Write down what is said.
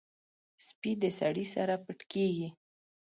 سپي د سړي سره پټ کېږي.